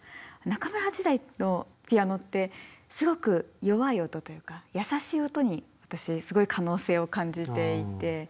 中村八大のピアノってすごく弱い音というか優しい音に私すごい可能性を感じていて。